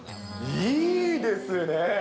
いいですね。